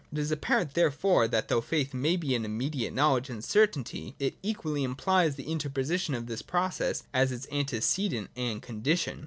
It is apparent, therefore, that, though faith may be an immediate knowledge and certainty, it equally im plies the interposition of this process as its antecedent and condition.